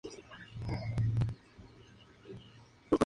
El grado de hipertrofia varía de mujer a mujer.